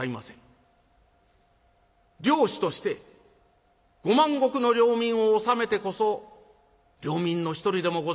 領主として５万石の領民を治めてこそ領民の一人でもございます